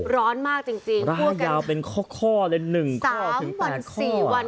ร้อนมากจริง๓วัน๔วัน